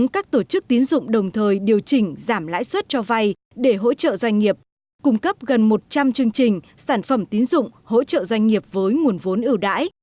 các tổ chức tín dụng đồng thời điều chỉnh giảm lãi suất cho vay để hỗ trợ doanh nghiệp cung cấp gần một trăm linh chương trình sản phẩm tín dụng hỗ trợ doanh nghiệp với nguồn vốn ưu đãi